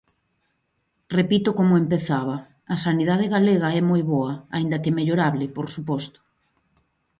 Repito como empezaba: a sanidade galega é moi boa, aínda que mellorable, por suposto.